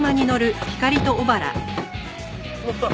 乗った！